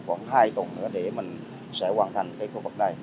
hai tuần nữa để mình sẽ hoàn thành